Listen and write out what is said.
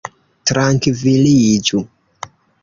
trankviliĝu